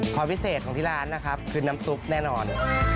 ความพิเศษของที่ร้านนะครับคือน้ำซุปแน่นอน